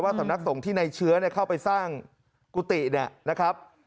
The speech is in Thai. ว่าสำนักสงฆ์ในเชื้อเข้าไปสร้างกุฏินะครับ